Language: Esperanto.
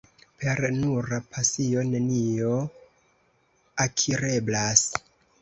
Per nura pasio nenio akireblas.